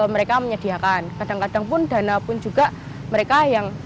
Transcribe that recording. mereka menyediakan kadang kadang pun dana pun juga mereka yang